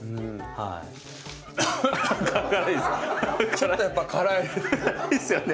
ちょっとやっぱ辛いですね。